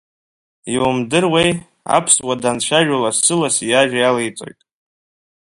Иумдыруеи, аԥсуа данцәажәо лассы-лассы иажәа иалеиҵоит…